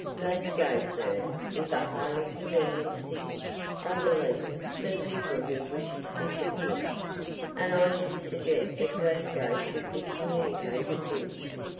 Glasgow, sir, is a highly convenient city, I believe, for people who wish to disappear. And I should suggest that Glasgow should be communicated with."